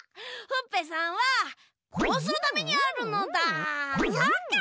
ほっぺさんはこうするためにあるのだ！